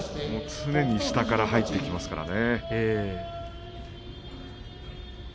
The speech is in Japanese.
常に下から入ってきますからね。